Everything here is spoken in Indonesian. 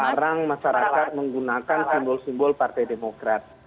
melarang masyarakat menggunakan simbol simbol partai demokrat